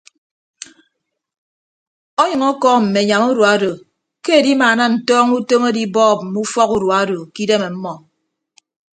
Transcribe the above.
Ọnyʌñ ọkọọm mme anyam urua odo ke edimaana ntọọñọ utom adibọọp mme ufọk urua odo ke idem ọmmọ.